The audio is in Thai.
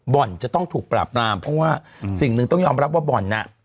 บ่อนจะต้องถูกปรากราบเพราะว่าอย่างนึงต้องยอมรับว่าบ่อนอะ